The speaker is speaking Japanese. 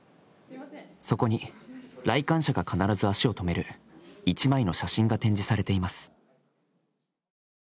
そこに、来館者が必ず足を止める一枚の写真が展示されています。